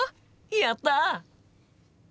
やった！